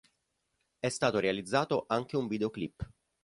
È stato realizzato anche un videoclip.